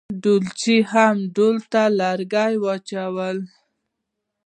ډولچي هم ډول ته لرګي واچول.